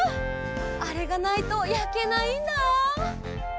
あれがないとやけないんだ！